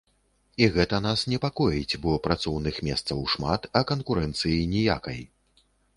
І гэта нас непакоіць, бо працоўных месцаў шмат, а канкурэнцыі ніякай.